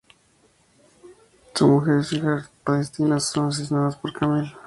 Su mujer y su hija palestinas son asesinadas por Kamil.